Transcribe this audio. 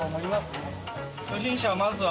初心者はまずは。